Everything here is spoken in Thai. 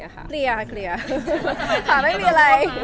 เคลียร์ค่ะไม่มีอะไร